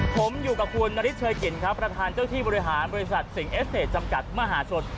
ผมอยู่กับคุณนฤทเชยกลิ่นครับประธานเจ้าที่บริหารบริษัทสิงเอสเซจจำกัดมหาชน